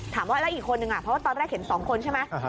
ถามว่าแล้วอีกคนนึงเพราะว่าตอนแรกเห็น๒คนใช่ไหม